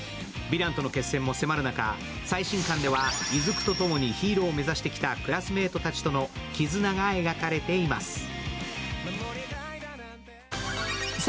ヴィランとの決戦も迫る仲、最新刊では出久とともにヒーローを目指してきたクラスメートたちとの絆が描かれています。